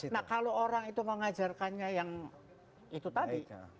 nah kalau orang itu mengajarkannya yang itu tadi